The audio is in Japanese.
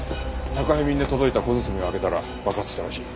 宅配便で届いた小包を開けたら爆発したらしい。